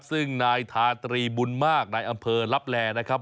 ซึ่งนายทาตรีบุญมากนายอำเภอลับแลนะครับ